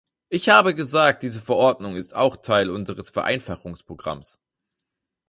Ich habe gesagt, diese Verordnung ist auch Teil unseres Vereinfachungsprogramms.